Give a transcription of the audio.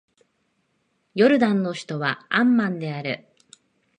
ヨルダンの首都はアンマンである